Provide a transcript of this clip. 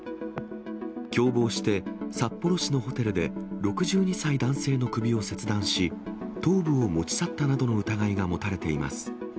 共謀して札幌市のホテルで６２歳男性の首を切断し、頭部を持ち去ったなどの疑いが持たれています。